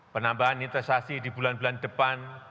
penambahan investasi di bulan bulan depan